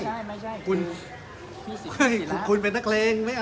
ไม่ใช่คุณเป็นนักเลง